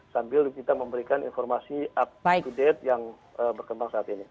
sambil kita memberikan informasi up to date yang berkembang saat ini